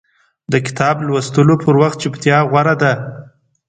د کتاب لوستلو پر وخت چپتیا غوره ده.